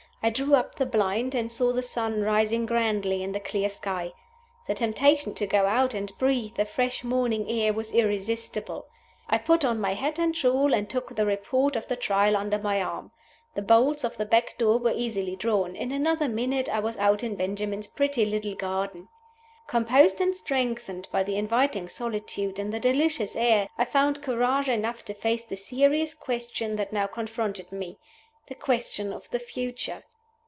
I drew up the blind, and saw the sun rising grandly in a clear sky. The temptation to go out and breathe the fresh morning air was irresistible. I put on my hat and shawl, and took the Report of the Trial under my arm. The bolts of the back door were easily drawn. In another minute I was out in Benjamin's pretty little garden. Composed and strengthened by the inviting solitude and the delicious air, I found courage enough to face the serious question that now confronted me the question of the future.